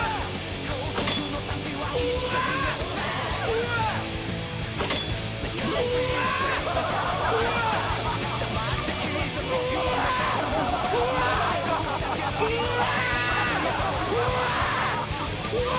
うわ！